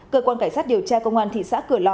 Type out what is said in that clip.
cơ quan cảnh sát điều tra công an thị xã cửa lò